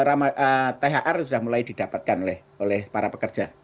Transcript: karena thr sudah mulai didapatkan oleh para pekerja